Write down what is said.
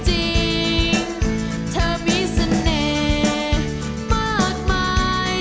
จริงเธอมีเสน่ห์มากมาย